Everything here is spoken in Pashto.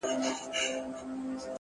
واه واه” خُم د شرابو ته راپرېوتم” بیا”